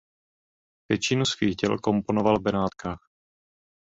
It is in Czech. Většinu svých děl komponoval v Benátkách.